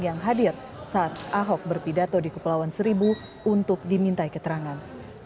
yang hadir saat ahok berpidato di kepulauan seribu untuk dimintai keterangan